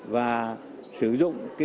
và sử dụng cái